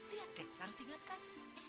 lihat deh langsung ingatkan